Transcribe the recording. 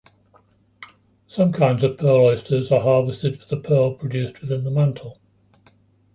Some kinds of pearl oysters are harvested for the pearl produced within the mantle.